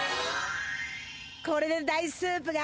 これでダイスープが。